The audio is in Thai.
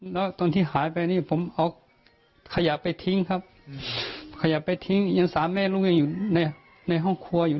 แล้วตอนที่หายไปนี่ผมเอาขยะไปทิ้งครับขยะไปทิ้งยังสามแม่ลูกยังอยู่ในห้องครัวอยู่